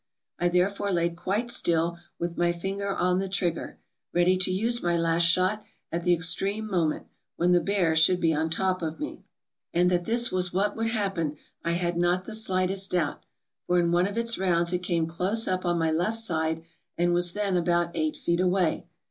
I therefore lay quite still, with my finger on the trigger, ready to use my last shot at the extreme moment, when the bear should be on top of me. " And that this was what would happen I had not the slightest doubt, for in one of its rounds it came close up on my left side, and was then about eight feet away.